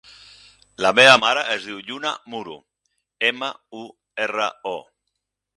La meva mare es diu Lluna Muro: ema, u, erra, o.